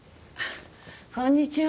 こんにちは。